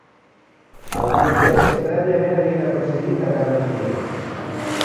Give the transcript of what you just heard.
Alguns d’ells, prèviament, havien aconseguit tallar les vies.